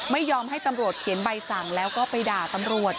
ไม่ยอมให้ตำรวจเขียนใบสั่งแล้วก็ไปด่าตำรวจ